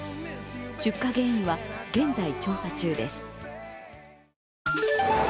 出火原因は現在、調査中です。